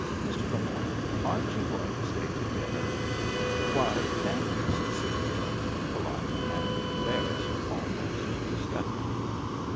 "Mn Le Moyne, aren't you going to stay to dinner ?"" Why, thank you I " said Scipio — polite, and embarrassed almost to stuttering.